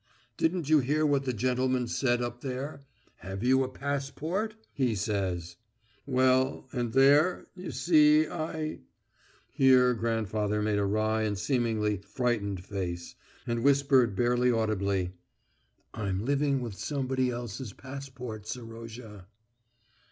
Didn't you hear what the gentleman said up there? 'Have you a passport?' he says. Well, and there, you see, I," here grandfather made a wry and seemingly frightened face, and whispered barely audibly "I'm living with somebody else's passport, Serozha."